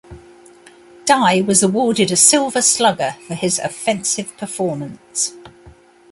Dye was awarded a Silver Slugger for his offensive performance.